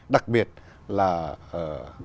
đặc biệt là ở